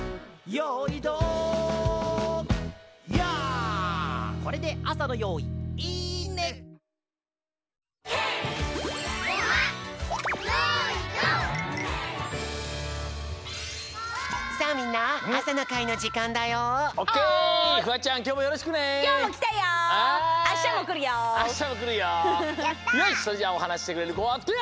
よしそれじゃあおはなししてくれるこはてあげて！